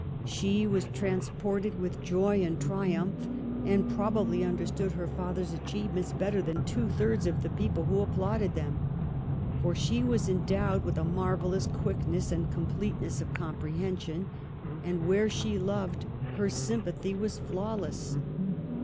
She was transported with joy and triumph, and probably understood her father's achievements better than two thirds of the people who applaud ed them. For she was endowed with a marvellous quickness and completeness of comprehension, and, where she loved, her sympathy was flawless.